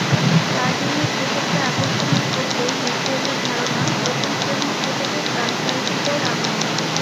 চার দিনের ক্রিকেটকে আকর্ষণীয় করতেই বিসিএলের ধারণা, প্রথম শ্রেণির ক্রিকেটে ফ্র্যাঞ্চাইজিদের আগমন।